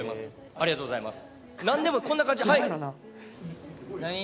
ありがとうございます。